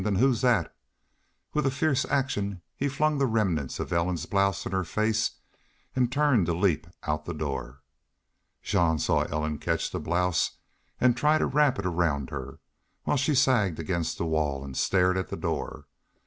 "An' who's that?" With a fierce action he flung the remnants of Ellen's blouse in her face and turned to leap out the door. Jean saw Ellen catch the blouse and try to wrap it around her, while she sagged against the wall and stared at the door.